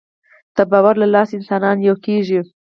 د باور له لارې انسانان یو کېږي.